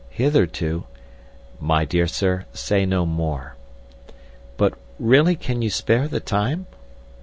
Hitherto—" "My dear sir, say no more." "But really can you spare the time?"